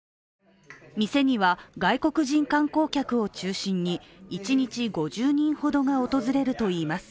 店には外国人観光客を中心に一日５０人ほどが訪れるといいます。